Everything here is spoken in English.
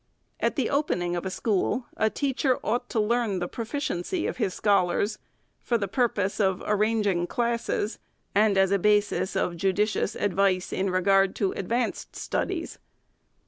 At the opening of a school, a teacher ought to learn the pro ficiency of his scholars, for the purpose of arranging classes, and as a basis of judicious advice in regard to ad vanced studies.